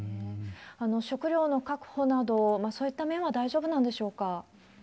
食料の確保など、そういった面は大丈夫なんでしょうか？